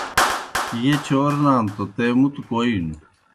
ییْہ چور نانوْ توْ تے مُتوْ کوئینوْ؟